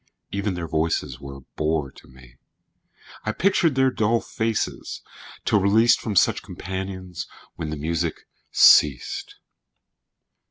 Even their voices were a bore to me; I pictured their dull faces, till released From such companions, when the music ceased.